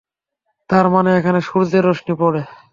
তার মানে এখানে সূর্যের রশ্মি পড়ে।